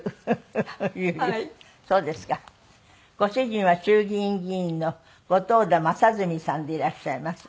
ご主人は衆議院議員の後藤田正純さんでいらっしゃいます。